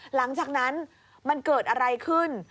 หลังจากนั้นมันเกิดอะไรขึ้น